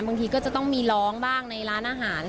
บางทีก็จะต้องมีร้องบ้างในร้านอาหาร